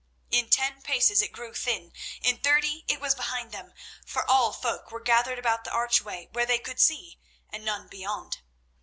In ten paces it grew thin, in thirty it was behind them, for all folk were gathered about the archway where they could see, and none beyond.